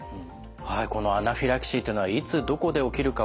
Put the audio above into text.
はいこのアナフィラキシーというのはいつどこで起きるか分からない。